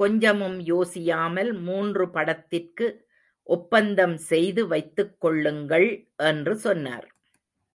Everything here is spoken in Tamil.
கொஞ்சமும் யோசியாமல் மூன்று படத்திற்கு ஒப்பந்தம் செய்து வைத்துக் கொள்ளுங்கள் என்று சொன்னார்.